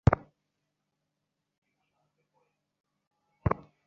চা-বাগানে বেড়ানোর পাশাপাশি পাহাড়ের কোলে অবকাশে আপনার আনন্দের মাত্রা বাড়িয়ে দেবে।